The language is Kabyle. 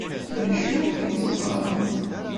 D acu i ẓẓan?